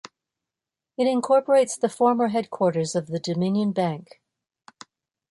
It incorporates the former headquarters of the Dominion Bank.